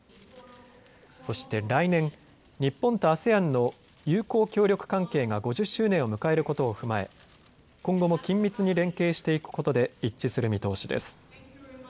そして来年、日本とＡＳＥＡＮの友好協力関係が５０周年を迎えることを踏まえ今後も緊密に連携していくことで一致する見通しです。